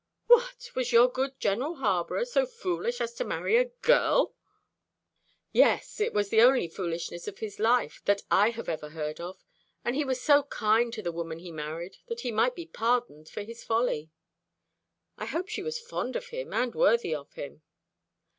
"What, was your good General Harborough so foolish as to marry a girl?" "Yes. It was the only foolishness of his life that I have ever heard of; and he was so kind to the woman he married that he might be pardoned for his folly." "I hope she was fond of him, and worthy of him."